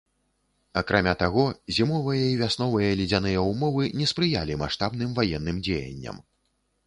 Акрамя таго, зімовыя і вясновыя ледзяныя ўмовы не спрыялі маштабным ваенным дзеянням.